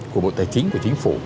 của bộ tài chính của chính phủ